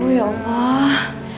aduh ya allah